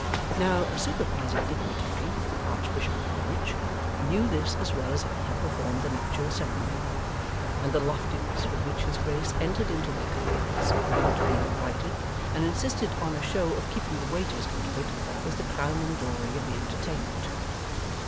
Now, the supervising dignitary, the Archbishop of Greenwich, knew this as well as if he had performed the nuptial ceremony. And the loftiness with which his Grace entered into their confidence without being invited, and insisted on a show of keeping the waiters out of it, was the crowning glory of the entertainment.